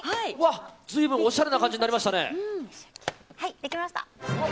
随分おしゃれな感じになりましたね。